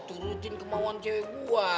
turutin kemauan cewe gue